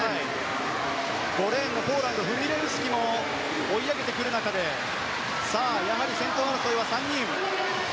５レーン、ポーランドフミレウスキも追い上げてくる中で先頭争いは３人。